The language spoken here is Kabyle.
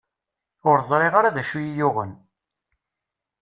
Ur ẓriɣ ara d acu i yi-yuɣen.